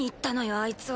あいつは。